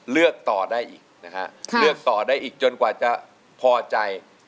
เลือกต่อได้อีกนะฮะเลือกต่อได้อีกจนกว่าจะพอใจ